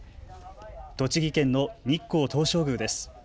栃木県の日光東照宮です。